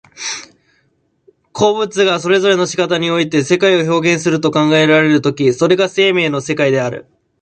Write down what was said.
個物がそれぞれの仕方において世界を表現すると考えられる時、それが生命の世界である。